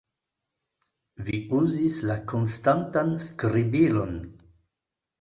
Vi uzis la konstantan skribilon!